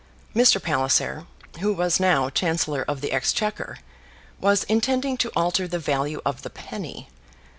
Mr. Palliser, who was now Chancellor of the Exchequer, was intending to alter the value of the penny.